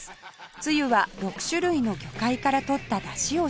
つゆは６種類の魚介から取っただしを使用